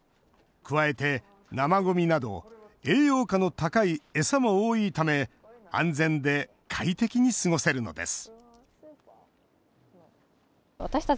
加えて、生ごみなど、栄養価の高い餌も多いため、安全で快適に過ごせるのです。